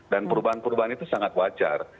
dan perubahan perubahan itu sangat wajar